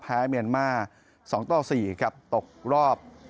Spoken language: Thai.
แพ้เมียนมา๒๔ครับตกรอบ